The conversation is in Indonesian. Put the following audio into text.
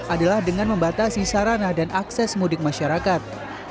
adalah dengan membatasi sarana dan akses mudik masyarakat